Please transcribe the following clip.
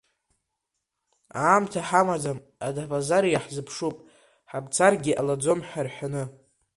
Аамҭа ҳамаӡам, Адаԥазар иаҳзыԥшуп, ҳамцаргьы ҟалаӡом, ҳәа раҳәаны.